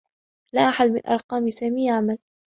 لا أحد من أرقام سامي يعمل.